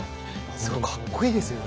すごい格好いいですよね。